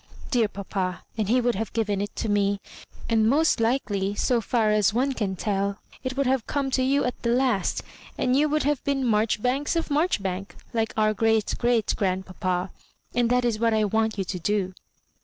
Dear papa I and he would have given it to me ; and most likely, so far as one can tell, it would have come to you at the last, and you would have been Mar joribanks of Marchbank, like our great great grandpapa; and that is. what I want you to do."